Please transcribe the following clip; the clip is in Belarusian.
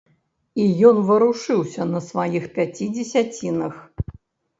І ён варушыўся на сваіх пяці дзесяцінах.